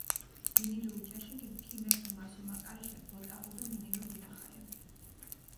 დინილუ უჩაშიქინ, ქიმერთუ მასუმა კარიშა, გოტახუ დო მინილუ დინახალე.